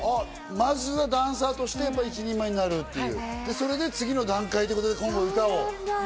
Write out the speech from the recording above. まずはダンサーとして一人前になるっていうそれで次の段階ってことで今度、歌を。